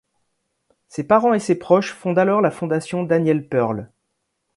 Ses parents et ses proches fondent alors la Fondation Daniel Pearl.